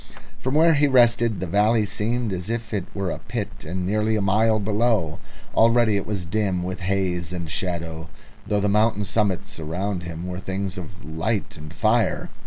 From where he rested the valley seemed as if it were in a pit and nearly a mile below. Already it was dim with haze and shadow, though the mountain summits around him were things of light and fire.